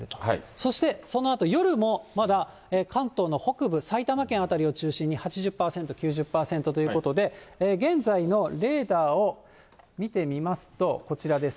そして、そのあと夜も、まだ関東の北部、埼玉県辺りを中心に８０％、９０％ということで、現在のレーダーを見てみますと、こちらです。